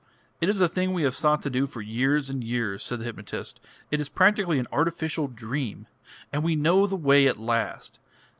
"It is a thing we have sought to do for years and years," said the hypnotist. "It is practically an artificial dream. And we know the way at last.